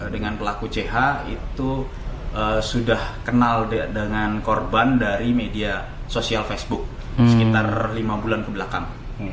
dengan pelaku ch itu sudah kenal dengan korban dari media sosial facebook sekitar lima bulan kebelakang